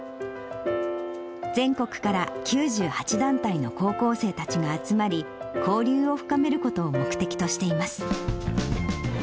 全国から９８団体の高校生たちが集まり、交流を深めることを目的としています。